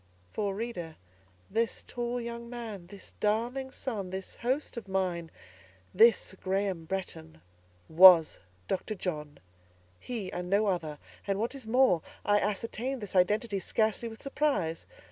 For, reader, this tall young man—this darling son—this host of mine—this Graham Bretton, was Dr. John: he, and no other; and, what is more, I ascertained this identity scarcely with surprise.